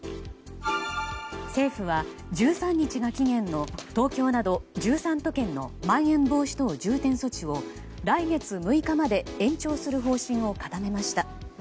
政府は１３日が期限の東京など１３都県のまん延防止等重点措置を来月６日まで延長する方針を固めました。